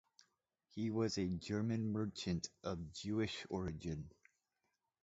He was a German merchant of Jewish origin.